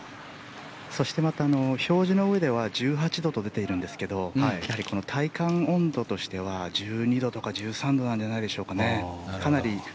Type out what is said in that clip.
そして表示のうえでは１８度と出ているんですがやはり体感温度としては１２度とか１３度なんじゃないでしょうか。